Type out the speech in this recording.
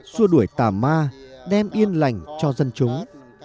xua đuổi tà ma đem yên lành cho dân chúng